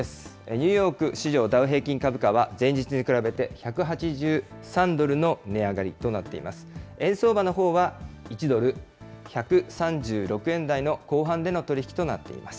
ニューヨーク市場ダウ平均株価は、前日に比べて１８３ドルの値上がりとなっています。